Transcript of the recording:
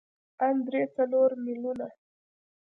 ان درې څلور ميليونه.